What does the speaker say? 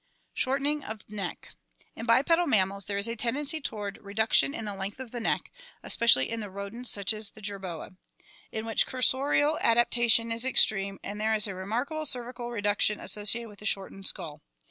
Shortening of Neck. — In bipedal mammals there is a tendency toward reduction in the length of the neck, especially in the rodents such as the jerboa (Fig. 55), in which cursorial adaptation is ex treme and there is a remarkable cervical reduction associated with the shortened skull.